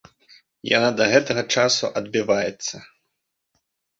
Яна да гэтага часу адбіваецца.